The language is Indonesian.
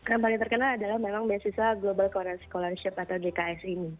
yang paling terkenal adalah memang beasiswa global korea scholarship atau gks ini